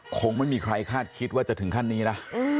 คงไม่มีใครคาดคิดว่าจะถึงขั้นนี้นะ